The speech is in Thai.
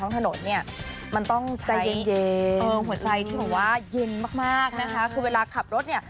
ทางถนตร์เนี่ยมันต้องใจดีเลยต้องว่าเย็นมากนะคะคือเวลาขับรถเนี่ย